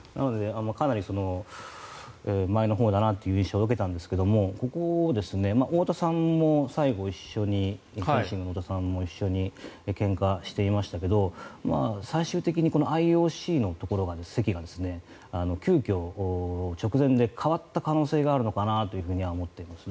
かなり前のほうだなという印象を受けたんですがここ、最後フェンシングの太田さんも一緒に献花していましたが最終的にＩＯＣの席が急きょ、直前で変わった可能性があるのかなと思っています。